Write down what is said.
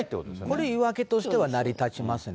これ、言い訳としては成り立ちますね。